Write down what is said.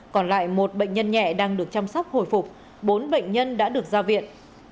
còn lại một bệnh nhân nhẹ đang được chăm sóc hồi phục bốn bệnh nhân đã được ra viện